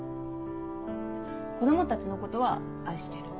子供たちのことは愛してる。